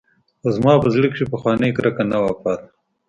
خو زما په زړه کښې پخوانۍ کرکه نه وه پاته.